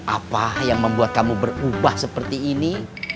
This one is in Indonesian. apa yang membuat kamu berubah seperti ini